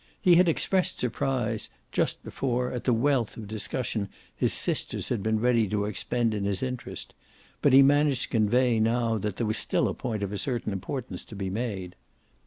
He had expressed surprise, just before, at the wealth of discussion his sisters had been ready to expend in his interest, but he managed to convey now that there was still a point of a certain importance to be made.